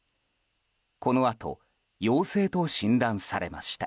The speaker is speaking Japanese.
このあと陽性と診断されました。